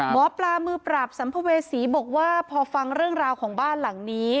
หมอปลามือปราบสัมภเวษีบอกว่าพอฟังเรื่องราวของบ้านหลังนี้